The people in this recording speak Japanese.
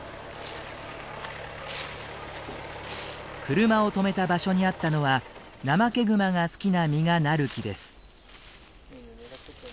車を止めた場所にあったのはナマケグマが好きな実がなる木です。